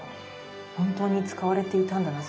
本当に使われていたんだな。